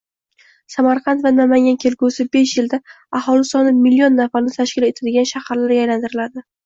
Samarqand va Namangan kelgusi besh yilda aholi soni million nafarni tashkil etadigan shaharlarga aylantiriladi.